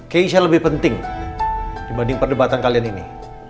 keisha lebih penting dibanding perdebatan kalian ini